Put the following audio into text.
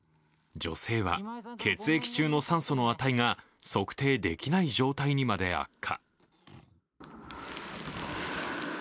女性は血液中の酸素の値が測定できない状態にまで悪化。